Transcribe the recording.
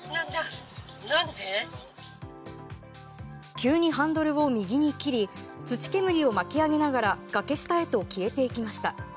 急にハンドルを右に切り土煙を巻き上げながら崖下へと消えていきました。